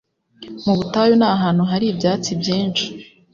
mu butayu n’ahantu hari ibyatsi byinshi